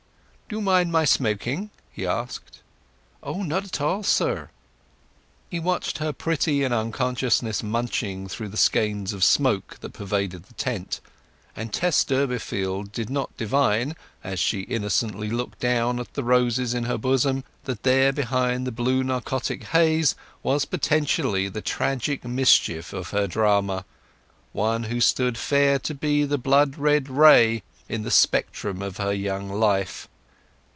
"Do you mind my smoking?" he asked. "Oh, not at all, sir." He watched her pretty and unconscious munching through the skeins of smoke that pervaded the tent, and Tess Durbeyfield did not divine, as she innocently looked down at the roses in her bosom, that there behind the blue narcotic haze was potentially the "tragic mischief" of her drama—one who stood fair to be the blood red ray in the spectrum of her young life.